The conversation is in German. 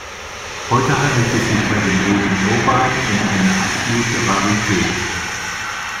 Heute handelt es sich bei dem Roten Urban um eine absolute Rarität.